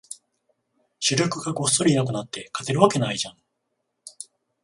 主力がごっそりいなくなって、勝てるわけないじゃん